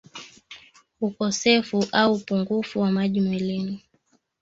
Ukosefu au upungufu wa maji mwilini